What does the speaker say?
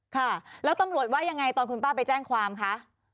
ค่ะแล้วตำรวจว่ายังไงตอนคุณป้าไปแจ้งความคะ